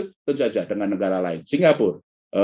tentu saja dengan negara lain singapura